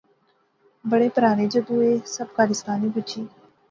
بڑے پراہریں جدوں ایہہ سب کارستانی بجی